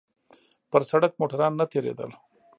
پر سړک موټران نه تېرېدل.